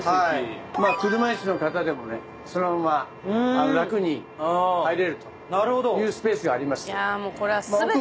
車いすの方でもねそのまま楽に入れるというスペースがあります。